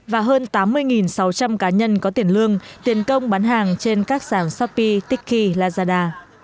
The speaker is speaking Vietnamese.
và hơn tám mươi sáu trăm linh cá nhân có tiền lương tiền công bán hàng trên các sản shopee tiki lazada